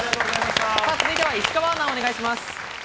続いては石川アナ、お願いします。